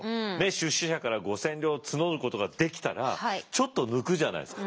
出資者から５，０００両募ることができたらちょっと抜くじゃないですか。